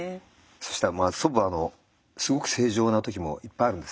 そしたら祖母はすごく正常な時もいっぱいあるんですね。